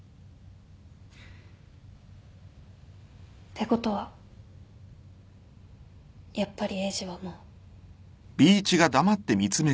ってことはやっぱりエイジはもう。